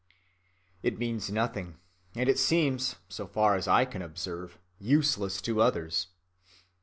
It means nothing; and it seems, so far as I can observe, useless to others.